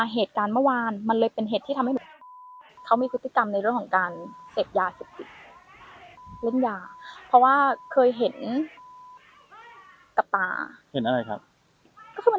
เห็นอะไรครับ